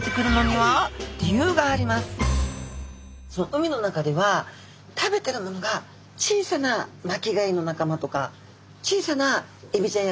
海の中では食べてるものが小さな巻き貝の仲間とか小さなエビちゃんやカニちゃん